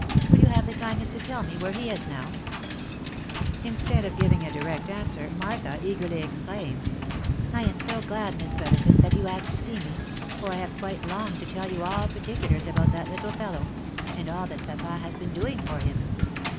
Will you have the kindness to tell me where he is now ?" Instead of giving a direct answer, Martha eagerly exclaimed, " I am so glad, Miss Brotherton, that you asked to see me, for I have quite longed to tell you all particulars about that little fellow — and all that papa has been doing for him.